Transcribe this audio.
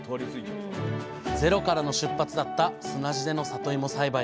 ゼロからの出発だった砂地でのさといも栽培。